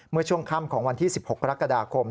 เมื่อช่วงค่ำของวันที่๑๖กรกฎาคม